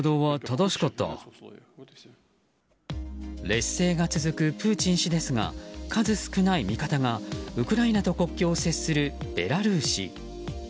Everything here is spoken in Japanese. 劣勢が続くプーチン氏ですが数少ない味方がウクライナと国境を接するベラルーシ。